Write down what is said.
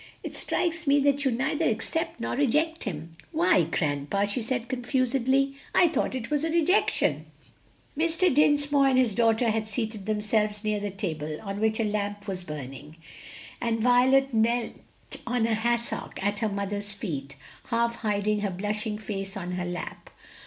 "It strikes me that you neither accept nor reject him." "Why, grandpa," she said confusedly, "I thought it was a rejection." Mr. Dinsmore and his daughter had seated themselves near the table, on which a lamp was burning, and Violet knelt on a hassock at her mother's feet, half hiding her blushing face on her lap.